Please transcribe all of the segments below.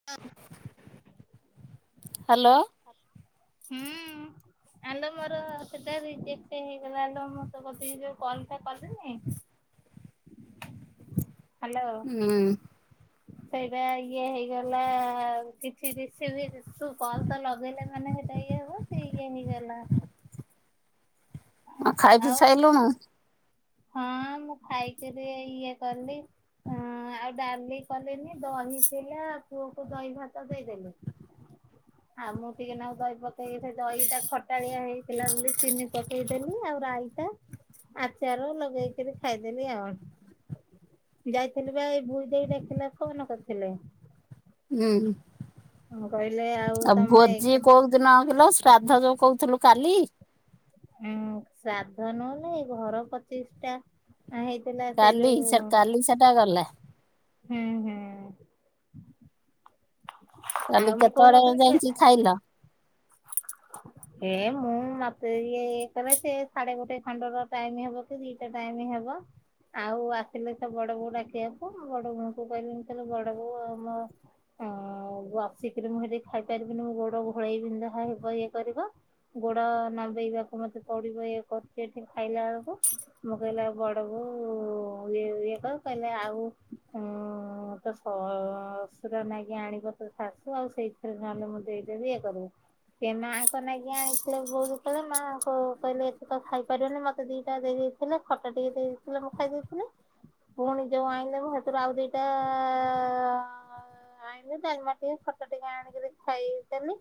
[inaudible] Hello. ହା ହୁଁ। ଆଲ ମୋର ସେଇଟା ରିଜେକ୍ଟ ହେଇଗଲା ଲୋ ମୁଁ ତୋ କତିକି ଜଉ କଲ ଟା କଲିନି ହ୍ୟାଲୋ। ହୁଁ ସେଇଟା ଇଏ ହେଇଗଲା କିଛି ରିସିଭ ଇଶୁ କଲ ତ ଲଗେଇଲେ ମାନେ ସେଇଟା ଇଏ ହବ ସେ ଇଏ ହେଇଗଲା। ଖାଇ ପିଇ ଆଉ ସାଇଲୁଣୁ? ହଁ ମୁଁ ଖାଇକିରି ଇଏ କଲି। ହଁ ଆଉ ଡାଲି କଲିନି ଦହି ଥିଲା ପୁଅକୁ ଦହି ଭାତ ଦେଇଦେଲି। [unintelligible] ଆଉ ମୁଁ ଟିକେ ନାଉ ଦହି ପକେଇକି ଦହିଟା ଖଟାଳିଆ ହେଇଥିଲା ବୋଲି ଚିନି ପକେଇଦେଲି ଆଉ ରାଇତା ଚେର ଲଗେଇକି ଖାଇଦେଲି ଆଉ। ଯାଇଥିଲି ବା ଏଇ ଭୁଇ ଦେଇ ଡାକିଲା ଫୋନ କରିଥିଲେ। ହୁଁ। ହଁ କହିଲି ଆଉ ତମ ଭୋଜି ଏକଜାମ କୋଉ ଦିନ କିଲ ଶ୍ରାଦ୍ଧ ଯୋଉ କହୁଥିଲୁ କାଲି? ଉଁ ଶ୍ରାଧ ନୁହେଁ ଲ ଏଘର ପଚିଷ୍ଟା। ନାଇଁ ହେଇଥିଲା ସେ କାଲି ଯଉ କାଲି ସେଟା ଗଲା। ହୁଁ ହୁଁ। ଆଉ କାଲି ମୁଁ କେତେବେଳେ କହୁନଥିଲି ଯାଇଚି ଖାଇଲ? [unintelligible] ଏ ମୁଁ ମତେ ଇଏ ଇଏ କଲେ ସେ ସାଢେ ଗୋଟେ ଖଣ୍ଡେ ଟାଇମ ହବ। ଦିଟା ଟାଇମ ହେବ। ଆଉ ଆସିଲେ ସେ ବଡ ବୋଉ ଡାକିବାକୁ ବଡ ବୋଉଙ୍କୁ କହିଲି ବଡ ବୋଉ ଆଉ ମ ହଁ ଆସିକିରି ମୁଁ ଏଠି ଖାଇପାରିବିନି ମୋ ଗୋଡ ଘୋଳେଇ ବିନ୍ଧା ହେବ ଇଏ କରିବ। ଗୋଡ ନମ୍ୱେଇବାକୁ ମତେ ପଡିବ ଇଏ କରୁଚି ଏଠି ଖାଇଲା ବେଳକୁ। ମୁଁ କହିଲି ଆଉ ବଡ ବୋଉ ଇ ଇଏ କର କହିଲେ ଆଉ ହଁ ତ ସସୁର ନାଗି ଆଣିବ ତ ଶାଶୁ ଆଉ ସେଇ ଫିନାଇଲି ମୁଁ ଦେଇ ଦେବି ଇଏ କରିବି। ସେ ମାଆଙ୍କ ଲାଗି ଆଣିଥିଲେ ବହୁ ଧୁପ୍ ଯେ ମାଆ କହିଲେ ଏତିକ ଖାଇପାରିବନି ମତେ ଦିଟା ଦେଇ ହେଲେ ଖଟା ଟିକେ ଦେଇଥିଲେ ମୁଁ ଖାଇ ଦଉଥିଲି। ପୁଣି ଯଉ ଆଣିଲେ ମୁଁ ହେଥିରୁ ଆଉ ଦିଟା ଆଇଁଲି ଡାଲମା ଟିକେ ଖଟା ଟିକେ ଆଣିକିରି ଖାଇଦେଲି।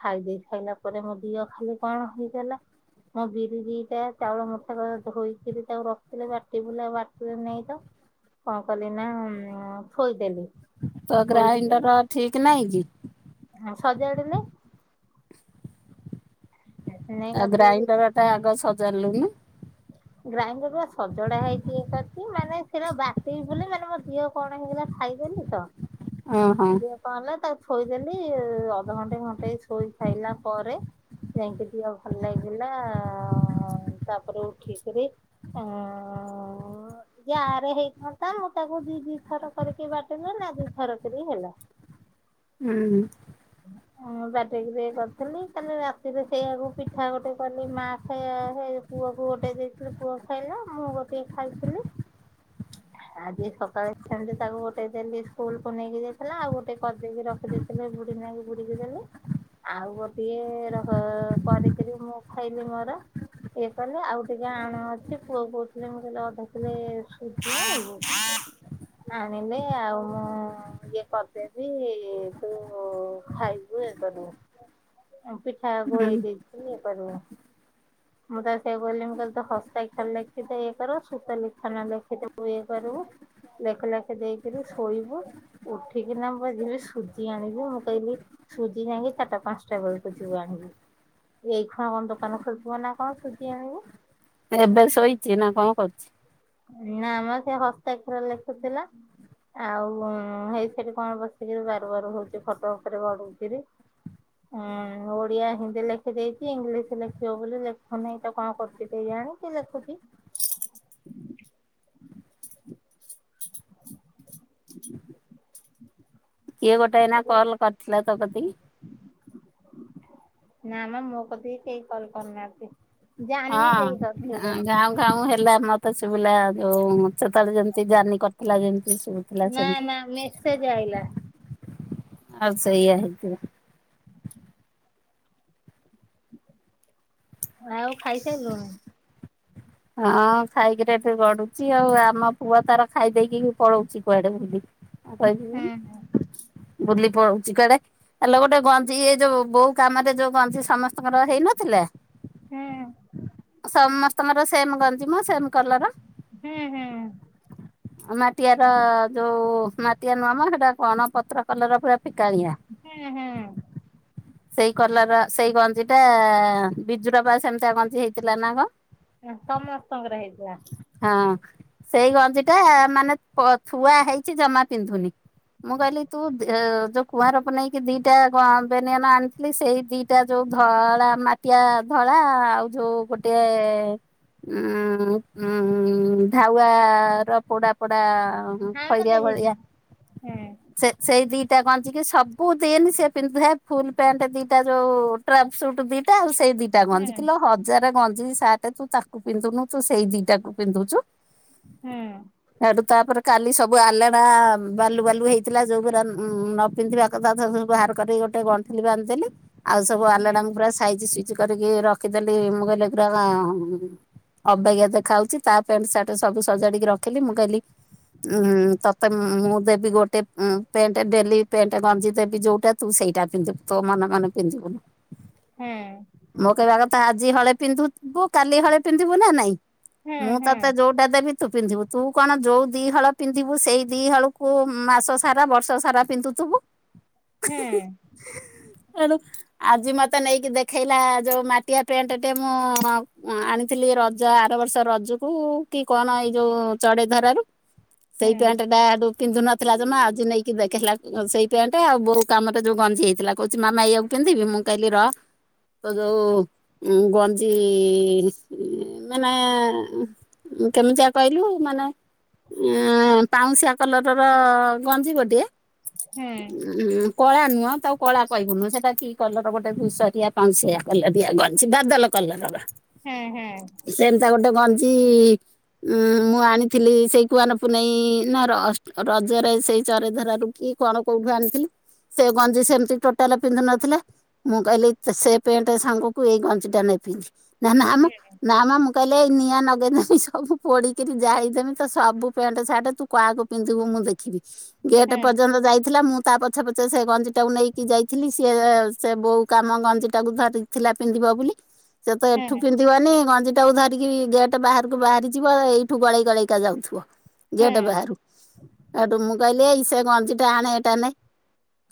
ଖାଇ ଦେଇ ସାଇଲା ପରେ ମୋ ଦିଅ ଖାଲି କଣ ହେଇଗଲା। ମୁଁ ବିରି ଦିଟା ଚାଉଳ ମୁଠେ ଧୋଇକିରି ତାକୁ ରଖିଥିଲି ବାଟି ବୋଲି ଆଉ ବାଟିଲି ନେଇ ତ। କଁ କଲି ନା ଥୋଇଦେଲି। ତ ଗ୍ରାଇଣ୍ଡର ଠିକ ନାଇଁ କି। ହ ସଜାଡେ ନାଇ ନେଇ ଆଉ ନଥିଲେ କି ଗ୍ରାଇଣ୍ଡର ଟା ଆଗ ସଜାଲୁନି। ଗ୍ରାଇଣ୍ଡର ବା ସଜଡା ହେଇଛି ଏକାତି ମାନେ ସେଟ ବାଟ ବଲେ ମାନେ ଝିଅ କଣ ହେଇଗଲା ଖାଇବେନି ତ ଓହୋ ଅ କଲା ତାକୁ ଥୋଇଦେଲି ଅଧଘଣ୍ଟେ ଘଣ୍ଟେ ଶୋଇ ଖାଇଲା ପରେ ଯାଇକି ଯିିବା ଭଲ ଲାଗିଲା ତାପରେ ଉଠିକରି ଆ ଯ ରେ ହେଇଥାନ୍ତା ଆଉ ତାକୁ ଦି ଦି ଥର କରିକି ବାଟ ନେ ନା ଦିଥର କରି ହେଲା। ହୁଁ। ହଁଁ ବାଟିକିରି କରିଥିଲି କାଲି ରାତିରେ ସେଇଆକୁ ପିଠା ଗୋଟେ କଲି ମା ଖାଇବା। ପୁଅକୁ ଗୋଟେ ଦେଇଥିଲି ପୁଅ ଖାଇଲା ମୁଁ ଗୋଟିଏ ଖାଇଥିଲି। ଆଜି ସକାଳେ ସେମିତି ତାକୁ ଗୋଟେ ଦେଲି ସ୍କୁଲକୁ ନେଇକି ଯାଇଥିଲା ଆଉ ଗୋଟେ କରିଦେଇକି ରଖିଦଥିଲା। ହେଲେ ବୁଢ ନକି ବୁଢିକି ଦେଲେ। ଆଉ ଗୋଟିଏ ରହ କରିକିରି ମୁଁ ଖାଇଲି ମୋର ଇଏ କଲେ ଆଉ ଟିକେ ଆଣ ଅଛି ପୁଅ କହୁଥିଲେ ମୁଁ କହେ ଅଧା କିଲୋ ସୁଝିବ। ଆଣିନି ଆଉ ମୁଁ ଇଏ କରିଦେବି ତୁ ଖାଇବୁ ଇଏ କରିବୁ ଉଁପି ଠା ହୁଁ ଗୋଳେଇ ଦେଇଥିପି ଇଏ କରବୁ ମୁଁ ତା ସେୟା କହିଲି। ମୁ କଲି ହସ୍ତା ଖାର ଲେଖିଦେ ଇଏ କରିବୁ ସୁତ ଲେଖା ନ ଲେଖିଦବୁ ଇଏ କରିବୁ। ଲେଖେ ଲେଖେ ଦେଇକରି ଶୋଇବୁ। ଉଠିକିନା ବାଜିରେ ସୁଜି ଆଣିବୁ ମୁଁ କହିଲି। ସୁଜି ଯାଇକି ଚାରିଟା ପାଞ୍ଚଟା ବେଳକୁ ଯିବୁ ଆଣିବୁ। ଏଇ ଖଣ କଣ ଦୋକାନ ଖୋଲଥିବ ନା କଣ ସୁଜିି ଆଣିବୁ। ଏବେ ଶୋଇଚି ନା କଣ କରୁଚି। ନା ଆ ମ ସେ ହସ୍ତାକ୍ଷର ଲେଖୁଥିଲା। ଆଉ ହେଇ ସେଠି କଣ ବସିକିରି ବାରୁ ବାରୁ ହୋଉଚି ଖଟ ଉପରେ ଗଡୁକିରି। ଉଁ ଓଡିଆ ହିନ୍ଦୀ ଲେଖିଦେଇଚି ଇଂଲିଶ ଲେଖିବ ବୋଲି ଲେଖୁ ନେହିଁ ତ କଣ କରୁଚି। କେୟାଣି କି ଲେଖୁଚି। [inaudible] [inaudible] କିଏ ଗୋଟେ ଏଇନା ଏଇ କଲ୍ କରିଥିଲା ତୋ କତିିକି। ନା ମ ମୋ କତିକି କେହି କଲ କରିନାହାନ୍ତି। ଜାନି ଦେଇ କରୁଥିଲେ। କାଉଁ ହେଲା ମତ୍ ତେ ଶୁଭିଲା ଯୋଉ ସେତେବେଳେ ଯେମିତି ଜାନି କରିଥିଲା ଯେମତି ଶୁଭୁଥିଲା ସେମତି। ସେ ଯାଇଲା। ଆଉ ସେଇଆ ହେଇଥିବ। ଆଉ ଖାଇସାରଲୁଣି। ହଁ ଖାଇକିରି ଏଠି ଗଡୁଚି ଆଉ ଆମ ପୁଅ ତାର ଖାଇ ଦେଇକି ପଳଉଚି କୁଆଡେ ବୁଲି। ଆଉ କରିବୁ ହୁଁ କୋନୁ ବୁଲି ପଳଉଚି କୁଆଡେ। ଆଲୋ ଗୋଟେ ଗଞ୍ଜି ଏ ଯୋଉ ବୋଉ କାମ ରେ ଯୋଉ ଗଞ୍ଜି ସମସ୍ତଙ୍କର ହେଇନଥିଲା। ହୁଁ। ସମସ୍ତଙ୍କର ସେମ ଗଞ୍ଜି ମ ସେମ କଲର ହୁଁ ହୁଁ। ମାଟିଆ ର ଯୋଉ ମାଟିଆ ନୁଆମ ସେଟା କଣ ପତ୍ର କଲର ପୁରା ଫିକାଳିଆ। ହୁଁ ହୁଁ ସେଇ କଲର ସେଇ ଗଞ୍ଜି ଟା ବିଜୁର ବା ସେମିତି ଗଞ୍ଜି ହେଇଥିଲା ନା କ ସମସ୍ତଙ୍କର ହେଇଥିଲା। ହଁ ସେଇ ଗଞ୍ଜି ଟା ମାନେ ଥୁଆ ହେଇଚି ଜମା ପିନ୍ଧୁନି ମୁଁ କହିଲି ତୁ ଯୋଉ କୁଆଁର ପୁନେଇକି ଦିଟା ଗ ବେନିଅନ୍ ଆଣିଥିଲି ସେଇ ଦିଟା ଯୋଉ ଧଳା ମା ଟିଆ ଧଳା ଆଉ ଯୋଉ ଗୋଟିଏ ଉଁ ଉଁ ଧାଉଆ ର ପୋଡା ପୋଡ଼ା ହଁ ମୁଁ ଖଇରିଆ ଦେଖିଛି ଭଳିଆ ହୁଁ। ସେ ସେଇ ଦିଟା ଗଞ୍ଜିକି ସବୁ ଦିନ୍ ସେ ପିନ୍ଧେ। ଫୁଲ ପ୍ୟାଣ୍ଟ ଦିଟା ଯୋଉ ଟ୍ରାପ ସୁଟ ଦିଟା ଆଉ ସେଇ ଦିଟା ହୁଁ ଗଞ୍ଜି କିଲ ହଜାର ଗଞ୍ଜି ସାର୍ଟ ତୁ ତାକୁ ପିନ୍ଧୁନୁ ତୁ ସେଇ ଦିଟାକୁ ପିନ୍ଧୁଚୁ। ହୁଁ। ହୁଁ ଆଠୁ ତାପରେ କାଲି ସବୁ ଆଲଣା ବାଲୁ ବାଲୁ ହେଇଥିଲା ଯୋଉ ପା ରା ନ ପିନ୍ଧିବା ଏକାଥରେ ବାହାର କରିିକି ଗୋଟେ ଗଣ୍ଠୁଲି ବାନ୍ଧଦେଲି ଆଉ ସବୁ ଆଲଣା ହୁଁ ଙ୍କୁ ପୁରା ସାଇଜି କରିକି ରଖିଦେଲି ମୁଁ କହିଲି ପୁରା ଅବାଗିଆ ଦେଖା ହଉଚି ତା ପ୍ୟାଣ୍ଟ ସାର୍ଟ ସବୁ ସଜାଡିକି ରଖିଲି ମୁଁ କହିଲି ଉ ତତେ ମୁଁ ଦେବି ଗୋ ଟେ ପେଣ୍ଟ ଡେଲି ପେଣ୍ଟ ଗଞ୍ଜିି ଦେବି ଯୋଉଁଟା ତୁ ସେଇଟା ପିନ୍ଧୁ ତୋ ମନେ ମନେ ପିନ୍ଧିବୁନୁ। ହୁଁ ହୁଁ ମୋ କହିବା କଥା ଆଜି ହଳେ ପିନ୍ଧିବୁ, କାଲି ହଳେ ପିନ୍ଧିବୁ ନା ନାଇଁ। ମୁଁ ହୁଁ ହୁଁ ହୁଁ ହୁଁ ତୋତେ ଯୋଉ ଟା ଦେବି ତୁ ପିନ୍ଧିବୁ। ତୁ କଣ ଯୋଉ ଦି ହଳ ପିନ୍ଧିବୁ ସେଇ ଦିହଳୁକୁ ମାସ ସାରା ବର୍ଷ ସାରା ପିନ୍ଧୁଥିବୁ। ହଁ। ଏଣୁ ଆଜି ମୋତେ ନେଇକି ଦେଖେଇଲା ଯୋଉ ମାଟିଆ ପେଣ୍ଟ ଟେ ମୁଁ ଆଣି ଥିଲି ରଜ ଆର ବର୍ଷ ରଜକୁ କି କଣ ଏଇ ଯୋଉ ଚଡେଇ ଧରାରୁ ସେଇ ପେଣ୍ଟ ଟା ଏଠୁ ପିନ୍ଧୁ ନଥିଲା ଜମା ଆଜି ନେଇକି ଦେଖେଇଲା ସେଇ ପେଣ୍ଟ ଆଉ ବୋଉ କାମରେ ଯୋଉ ଗଞ୍ଜି ହେଇଥିଲା। କହୁଛି ମାମା ଏଇଆକୁ ପିନ୍ଧିବି, ମୁଁ କହିଲି ର ତ ଯୋଉ ଉଁ, ଗ ଜି ଏ ମାନେ ଉଁ, କେମିତିଆ କଇଲୁ? ମାନେ ଏଁ, ପାଉଁଶିଆ କଲର୍ ର ଗଞ୍ଜି ଗୋଟିଏ। ଆଁ, କଳା ନୁହଁ ତାକୁ କଳା କହିବୁନୁ, ସେଟା କି କଲର୍ ଗୋଟେ ଧୂସରିଆ ପାଉଁଶିଆ କଲର୍ ଦିଆ ଗଞ୍ଜି, ବାଦଲ କଲର୍ ବା ହୁଁ ହୁଁ ହୁଁ ହୁଁ ହୁଁ ହୁଁ ସେମତା ଗୋଟେ ଗଞ୍ଜି ଅଁ, ମୁଁ ଆଣିଥିଲି ସେଇ କୁଆଁର ପୁନେଇଁ ନା ର-ଅଷ୍ ରଜରେ ସେଇ ଚାରିଧାରା ରୁ। କି କଣ କୋଉଠୁ ଆଣିଥିଲି। ସେ ଗଞ୍ଜି ସେମିତି ଟୋଟାଲ ପିନ୍ଧୁ ନଥିଲା, ମୁଁ କହିଲି ସେ ପେଣ୍ଟ ସାଙ୍ଗ ତୁ ଏ ଗଞ୍ଜି ଟା ନେ ପିନ୍ଧି, ନା ନା ମୋ ନା ମା ମୁଁ କହିଲି ଏଇ ନିଆଁ ନଗେଇଦେମି ସବୁ ପୋଡିି କେଇଠି ଯାଇଥେମି ତ ସବୁ ପେଣ୍ଟ ସାର୍ଟ ତୁ କାଆକୁ ପିନ୍ଧିବୁ ମୁଁ ଦେଖିବି। ଗେଟ୍ ପର୍ଯ୍ୟନ୍ତ ଯାଇଥିଲା ମୁଁ ତା ପଛେ ପଛେ ସେ ଗଞ୍ଜି ଟାକୁ ନେଇକି ଯାଇଥିଲି, ସିଏ ସେ ବୋଉ କାମ ଗଞ୍ଜି ଟାକୁ ଧରି ଥିଲା ପିନ୍ଧିବ ବୋଲି। ସେ ତ ଏଠୁ ପିନ୍ଧିବନି ଗଞ୍ଜି ଟାକୁ ଧରିକି ଗେଟ୍ ବାହାରକୁ ବାହାରି ଯିବ। ଏଇ ଠୁ ଗଳେଇ ଗଳେଇକା ଯାଉଥୁବ ଗେଟ୍ ବାହାରୁ। ଏଠୁ ମୁଁ କଇଲି ଏଇ ସେ ଗଞ୍ଜି ଟା ଆଣେ, ଏଟା ନେ,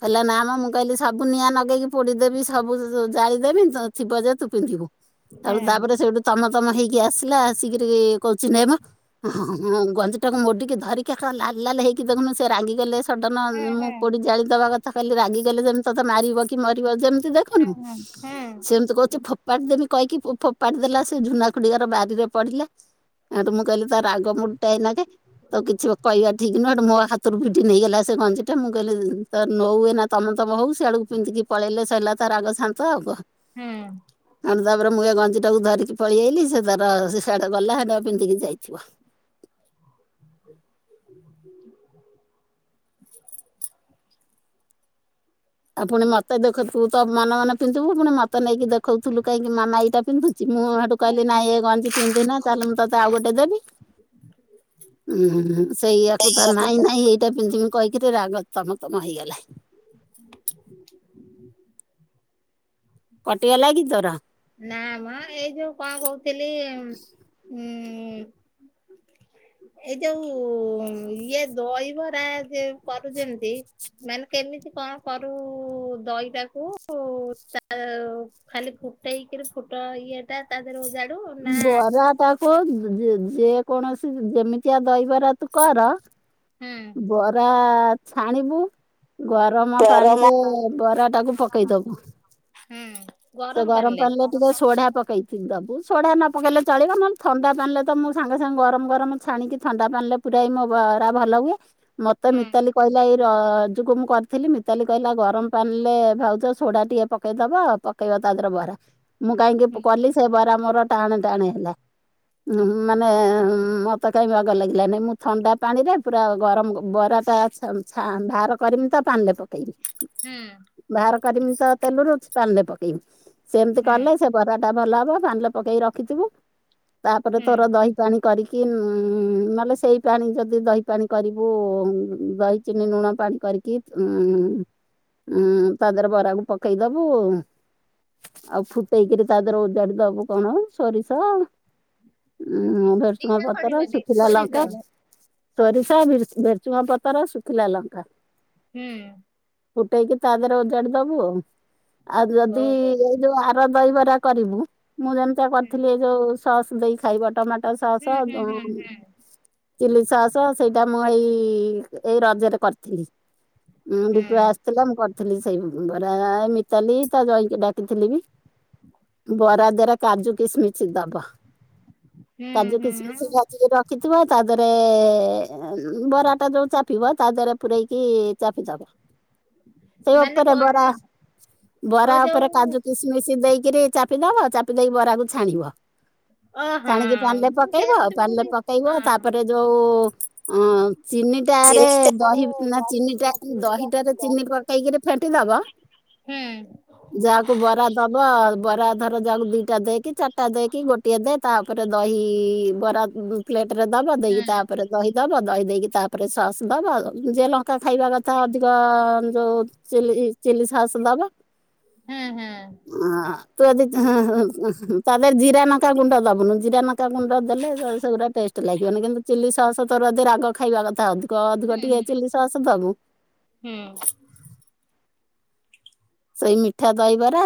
କଇଲା ନା ମୋ ମୁଁ କଇଲି ସେ ସବୁ ନିଆଁ ନଗେଇକି ପୋଡ଼ିଦେବି, ସବୁ ଜାଳିଦେବି, ତ ଥିବ ଯେ ତୁ ପିନ୍ଧିବୁ, ସେଉଠୁ ତାପରେ ସେଉଠୁ ତମ ତମ ହେଇକି ଆସିଲା, ଆସିକିରି କହୁଚି ନେ ମୋ ହଁ, ହଁ, ହଁ, ହଁ, ଗଞ୍ଜି ଟାକୁ ମୋଡିକି ଧରିକି ଏକାଳେ ଲାଲ ଲାଲ ହେଇକି ଦେଖୁନୁ ସେ ରାଗିଗଲେ। ସଡନ୍ ମୁଁ ପୋଡି ଜାଳି ଦବା କଥା କହିଲି ରାଗିଗଲେ ଯେମ ତୋତେ ମାରିବ କି ମରିବ ଯେମିତି ଦେଖିନୁ। ହୁଁ ସେମିତି କରୁଛି ଫୋ ପାଡି ଦେମି କଇକି ପୁ-ଫୋପାଡି ଦେଲା ସେ ଝୁନା ଖୁଡିି ଘର ବାରିରେ ପଡ଼ିଲା। ଏଠୁ ମୁଁ କହିଲି ତା ରାଗ ମୁଡ୍ ଟା ଏଇନା କେ ତ କିଛି କଇବା ଠିକ ନୁହଁ। ସେଠୁ ମୋ ହାତରୁ ଭିଡ ଡି, ନେଇଗଲା ସେ ଗଞ୍ଜି ଟା, ମୁଁ କହିଲି ତ ନଉ ଏଇନା ତମ ତମ ହଉ, ସିଆଡକୁ ପିନ୍ଧିକି ପଳେଇଲେ ସଇଲା। ତା ରାଗ ଶାନ୍ତ ହବ। ହଁ। ସେଉଠୁ ତାପର ମୁଁ ଏ ଗଞ୍ଜି ଟାକୁ ଧରିକି ପଳି ଆଇଲି ସେ ତାର ସିଏ ସିଆଡେ ଗଲା ତ ପିନ୍ଧିକି ଯାଇଥିବ। [inaudible] [inaudible] ଆ ପୁଣି ମୋତେ ଦେଖଉ ତୁ ତୋ ମନ ମନେ ପିନ୍ଧିବୁ। ପୁଣି ମୋତେ ନେଇକି ଦେଖଉଥୁଲୁ କାହିଁକି? ମାମା ଏଇଟା ପିନ୍ଧୁ ଚି, ମୁଁ ସେଠୁ ହୁଁ କହିଲି ନାଇଁ ଏ ଗଞ୍ଜି ପିନ୍ଧିନା ଚାଲ ମୁଁ ତୋତେ ଆଉ ଗୋଟେ ଦେବି। ହ [inaudible] ଉଁ, ହୁଁ, ହୁଁ, ସେଇଆକୁ ତ ନାହିଁ, ନାହିଁ ଏଇଟା ପିନ୍ଧିମି କହିକିରି ରାଗ ତମ ତମ ହେଇଗଲା। [inaudible] କଟି ଗଲାକି ତୋର? ନା ମୋ ଏଇ ଯୋଉ କଣ କହୁଥିଲି, ଉଁ, ଏଇ ଯୋଉ ଉଁ, ଇଏ ଦଇବରା ଯେ କରୁ ଯେମତି ମାନେ କେମିତି କଣ କରୁ ଦଇଟାକୁ ତା ଖାଲି ଫୁଟେଇକିରି ଫୁଟ ଇଏ ଟା ତା ଦେହରେ ଉଜାଡୁ ବରା ଟାକୁ ଯେ କୌଣସି ଯେମିତିଆ ଦହିବରା ତୁ କର ହୁଁ ବରା ଛାଣିବୁ ଗରମ ପାଣିରେ ବରା ଟାକୁ ପକେଇଦବୁ। ହୁଁ ସେ ଗରମ ପାଣିଲା ଟିକ ସୋଢା ପକେଇଥି ଦବୁ। ସୋଢା ନ ପକେଇଲେ ଚଳିବ ନହେଲେ ଥଣ୍ଡା ପାନିଲେ ତ ମୁଁ ସାଙ୍ଗେ ସାଙ୍ଗେ ଗରମ ଗରମ ଛାଣିକି ଥଣ୍ଡା ପାନିରେ ପୁରା ମୋ ପରା ଭଲ ହୁଏ ମତେ ହୁଁ ମିତାଲି କହିଲା ଏଇ ର ରଜକୁ ମୁଁ କରିଥିଲି ମିତାଲି କହିଲା ଗରମ ପାଣିରେ ଭାଉଜ ସୋଡା ଟିକେ ପକେଇଦବ ପ ପକେଇବ ତାଧିଅରେ ବରା। ମୁଁ କାହିଁକି ହୁଁ କଲି ସେ ବରା ମୋର ଟାଣେ ଟାଣେ ହେଲା ମାନେ ତ କାହିଁ ବାଗ ଲାଗିଲାନି ମୁଁ ଥଣ୍ଡା ପାଣିରେ ପୁରା ଗରମ ବରାଟା ଚା ବାହାର କରିମି ତ ପାଣି ପକେ କେଇମି ହୁଁ ବାହାର କରମି ତ ତେଲରୁଛି ପାଣିରେ ପକେଇବି ସେମିତି ହୁଁ କଲେ ସେ ବରା ଟା ଭଲ ହବ ପାନିରେ ପକେଇକି ରଖିଥିବୁ ତାପରେ ହୁଁ ତୋର ଦହି ପାଣି କରିକି ନହେଲେ ସେଇ ପାଣି ଯଦି ଦହି ପାଣି କରିବୁ ଦହି ଚିନି ଲୁଣ ପାଣି କରିକି ଉ ଉୁଁ ତା ଦେହରେ ବରାକୁ ପକେଇଦବୁ ଆଉ ଫୁଟେଇକରି ତା ଦେର ଓଜାଡି ଦବୁ କଣ ସୋରିଷ ଉଁ ଭେରସୁମା ଜିରା ପତର ପଡିବନି ଶୁଖିଲା ସୋରିଷ ଲଙ୍କା। ସୋରିଷା ଭେରସୁଙ୍ଗ ପତର ଶୁଖିଲା ଲଙ୍କା। ହୁଁ। ଫୁଟେଇକି ତା ଦେହରେ ଓଜାଡି ଦବୁ ଆଉ ଆଉ ଯଦି ଓହୋ ଯୋଉ ଆର ଦହିବରା କରିବୁ ମୁଁ ଯେମିତା ହୁଁ କରିଥିଲି ଯୋଉ ସସ୍ ଦେଇ ଖାଇବ ଟମାଟୋ ଟ ସସ ହୁଁ ହୁଁ ହୁଁ ଉଁ ଚିଲି ସସ୍ ସେଇଟା ମୁଁ ଏଇ ଏଇ ରଜରେ କରିଥିଲି ହୁଁ ଦିଟୁ ଆସି ଥିଲା ମୁଁ କରିଥିଲି ସେଇ ବରା ମିତାଲି ତା ଜଇଁକି ଡାକିଥିଲି ବି ବରାଦ କାଜୁ କିସମିସ ଦବ ହୁଁ କାଜୁ ହୁଁ ହୁଁ କିସମିସ ଟିକେ ରଖିଥିବ ତା ଦେହରେ ବରା ଟା ଯୋଉ ଚାପିବ ତା ଦେହରେ ପୁରାଇକି ଚାପିଦବ। [inaudible] ସେ ମାନେ ଉପରେ ବରା କଣ ଓ ବରା ଉପରେ ଯୋଉ କାଜୁ କି ସମିଶି ଦେଇକିରି ଚାପିଦବ ଚାପି ଦେଇକି ବରାକୁ ଛାଣିବ। ଅ ହଁ ଛାଣିକି ପାନିରେ ମୁଁ ସେଇଆ ପକେଇବ କହୁଛି ମୁଁ ପାନିରେ କହୁଛି ପକେଇବ ହଁ। ତାପରେ ଯୋଉ ହ ଚିନିଟାରେ ଚିନି ଚାହାରେ ଦହି ନା ଦହି ଚିନିଟା ନା ଚିନି ଚା ଦହିଟାରେ ଚିନି ଦହି ଦହି। ପକେଇକିରି ଫେଣ୍ଟି ଦବ ହୁଁ ଯାହା ବରା ଦବ ବରା ଧର ଯାକୁ ଦିଟା ଦେଏକି ଚା ଚାରିଟା ଦେଏକି ଗୋଟିଏ ଦେ ତାପରେ ଦହି ବରା ପ୍ଲେଟରେ ଦବ ହୁଁ ଦେଇକି ତାପରେ ଦହି ଦବ ଦହି ଦେଇକି ତାପରେ ସସ୍ ଦବ ଯିଏ ଲଙ୍କା ଖାଇବା କଥା ଅଧିକ ଯୋଉ ଚିଲି ଚିଲି ସସ ଦବ ହୁଁ ହୁଁ ହଁ ତୁ ଯଦି ତାଦେହରେ ଜିରା ନକା ଗୁଣ୍ଡ ଦବୁନୁ ଜିରା ନକା ଗୁଣ୍ଡ ଦେଲେ ସେଗୁଡା ଟେଷ୍ଟ ଲାଗିବନି କିନ୍ତୁ ଚିଲି ସସ୍ ତୋର ଯଦି ରାଗ ଖାଇବା କଥା ଅଧିକ ଅଧିକ ହୁଁ ଟିକେ ହୁଁ ଚିଲି ସସ୍ ଦବୁ। ହୁଁ। ସେଇ ମିଠା ଦହିବରା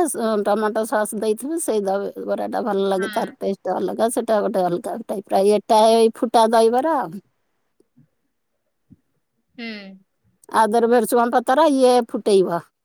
ଟମାଟୋ ସସ୍ ଦେଇଥିବୁ ସେଇ ଦହିବରା ଟା ଭଲ ଲାଗେ ହଁ ତାର ଟେଷ୍ଟ। ଗୋଟେ ଅଲଗା ସେଟା ଗୋଟେ ଅଲଗା ଗୋଟେ ପ୍ରାୟ ଏଟା ଏଇ ଫୁଟା ଦହିବରା ଆଉ। ହୁଁ। ଆଧୀରେ ଭେରସୁଙ୍ଗ ପତର ଇଏ ଫୁଟେଇବ।